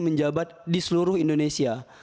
menjabat di seluruh indonesia